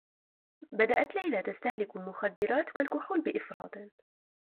بدأت ليلى تستهلك المخدّرات و الكحول بإفراط.